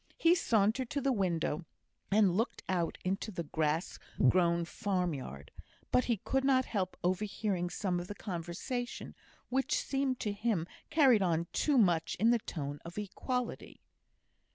He sauntered to the window, and looked out into the grass grown farm yard; but he could not help overhearing some of the conversation, which seemed to him carried on too much in the tone of equality.